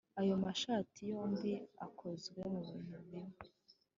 ayo mashati yombi akozwe mubintu bimwe